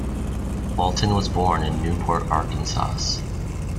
Walton was born in Newport, Arkansas.